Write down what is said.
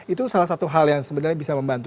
itu salah satu hal yang sebenarnya bisa membantu